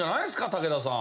武田さん。